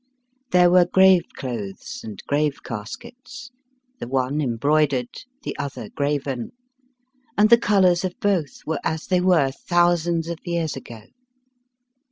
There were grave clothes and grave caskets, the one embroidered, the other graven; and the colors of both were as they were thousands of years ago.